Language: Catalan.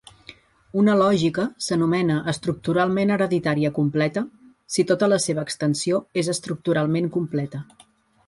Una lògica s'anomena estructuralment hereditària completa si tota la seva extensió és estructuralment completa.